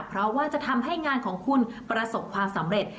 เพราะว่าจะทำให้งานของคุณประสบความสำเร็จ